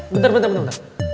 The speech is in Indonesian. bentar bentar bentar